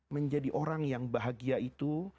menjadi orang yang bahagia itu